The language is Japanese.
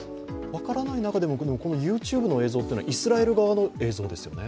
分からない中でもＹｏｕＴｕｂｅの映像というのはイスラエル側の映像ですよね？